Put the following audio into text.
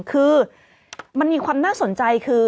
คือมันมีความน่าสนใจคือ